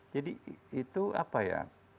jadi itu apa ya